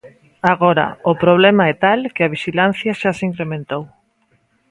Agora, o problema é tal que a vixilancia xa se incrementou.